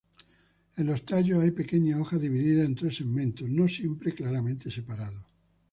En los tallos hay pequeñas hojas divididas en tres segmentos, no siempre claramente separados.